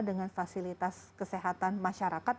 dengan fasilitas kesehatan masyarakat